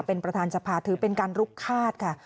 เป็นประธานสภาถือเป็นการลุกคาดค่ะ